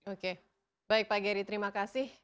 oke baik pak geri terima kasih